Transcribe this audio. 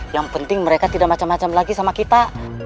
yang penting mereka tidak macam macam lagi sama kita